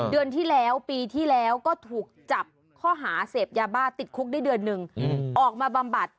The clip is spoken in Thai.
เดือนที่แล้วปีที่แล้วก็ถูกจับข้อหาเสพยาบ้าติดคุกได้เดือนหนึ่งออกมาบำบัด